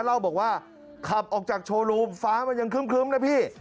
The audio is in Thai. เล่าบอกว่าขับออกจากโชว์รูมฟ้ามันยังครึ้มนะพี่